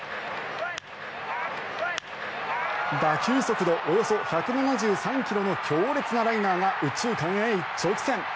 打球速度およそ１７３ｋｍの強烈なライナーが右中間へ一直線。